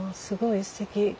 すごいすてき。